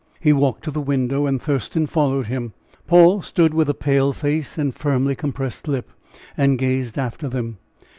He walked to the window, and Thurston followed him. Paul stood with a pale face and firmly compressed lip, and gazed after them.